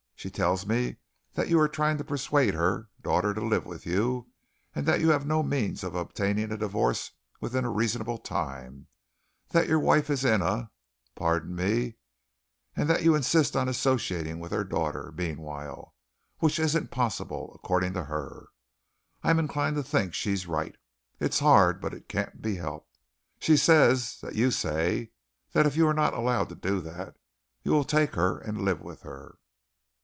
She tells me that you are trying to persuade her daughter to live with you; that you have no means of obtaining a divorce within a reasonable time; that your wife is in a pardon me, and that you insist on associating with her daughter, meanwhile, which isn't possible, according to her. I'm inclined to think she's right. It's hard, but it can't be helped. She says that you say that if you are not allowed to do that, you will take her and live with her."